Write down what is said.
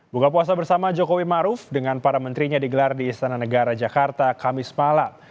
buka puasa bersama jokowi maruf dengan para menterinya digelar di istana negara jakarta kamis malam